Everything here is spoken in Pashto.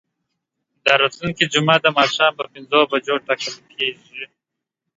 دا راتلونکې جمعه د ماښام په پنځو بجو ټاکل کیږي.